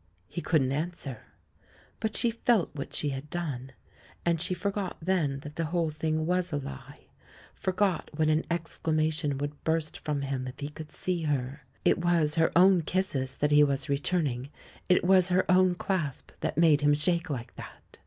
'* He couldn't answer. But she felt what she had done. And she forgot then that the whole thing was a lie — forgot what an exclamation would burst from him if he could see her. It was her own kisses that he was returning; it was her own clasp that made him shake like that